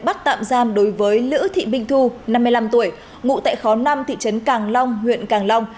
bắt tạm giam đối với lữ thị minh thu năm mươi năm tuổi ngụ tại khó năm thị trấn càng long huyện càng long